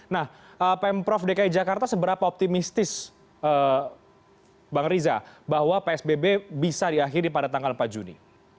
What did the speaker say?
nah pemprov dki jakarta seberapa optimistis bang riza bahwa psbb bisa diakhiri pada tanggal empat juni